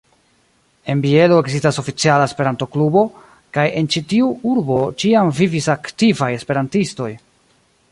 En Bielo ekzistas oficiala Esperanto-klubo, kaj en ĉi-tiu urbo ĉiam vivis aktivaj Esperantistoj.